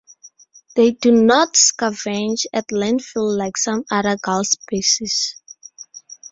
They do not scavenge at landfill like some other gull species.